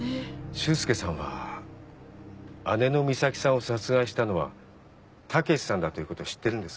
修介さんは姉の美咲さんを殺害したのは武史さんだということ知ってるんですか？